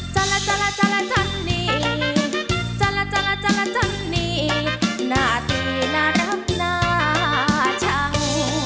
จันละจันละจันละจันนี่จันละจันละจันละจันนี่หน้าตีหน้ารับหน้าชัง